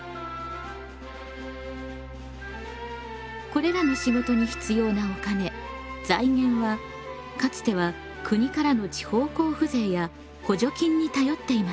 これらの仕事に必要なお金財源はかつては国からの地方交付税や補助金に頼っていました。